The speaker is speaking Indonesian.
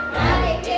mari kita kerja